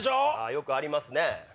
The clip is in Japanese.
よくありますね。